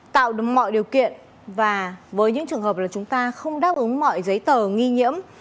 tạo được mọi điều kiện và với những trường hợp là chúng ta không đáp ứng mọi giấy tờ nghi nhiễm